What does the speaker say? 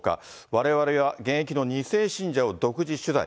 われわれは、現役の２世信者を独自取材。